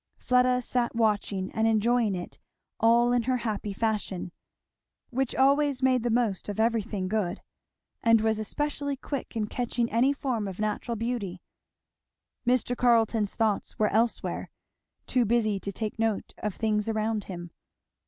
Fleda sat watching and enjoying it all in her happy fashion, which always made the most of everything good, and was especially quick in catching any form of natural beauty. Mr. Carleton's thoughts were elsewhere; too busy to take note of things around him.